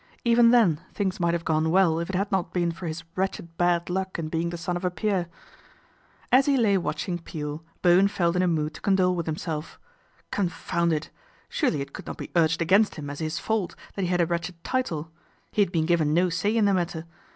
Even then things might have gone well if it had not been for his wretched bad luck in being the son of a peer. As he lay watching Peel, Bowen felt in a mood to condole with himself. Confound it ! Surely it could not be urged against him as his fault that he had a wretched title. He had been given no say in the matter.